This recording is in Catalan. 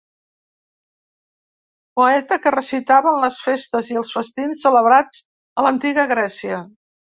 Poeta que recitava en les festes i els festins celebrats a l'antiga Grècia.